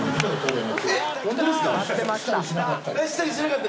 待ってました！